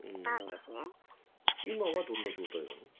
今はどんな状態なの？